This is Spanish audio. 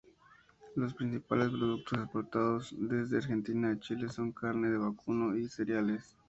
Los principales productos exportados desde Argentina a Chile son carne de vacuno y cereales.